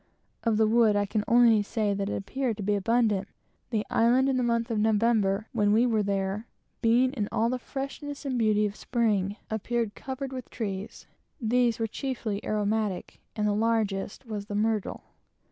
Of the wood I can only say, that it appeared to be abundant; the island in the month of November, when we were there, being in all the freshness and beauty of spring, appeared covered with trees. These were chiefly aromatic, and the largest was the myrtle.